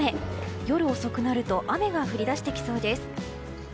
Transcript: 夜遅くなると雨が降り出してきそうです。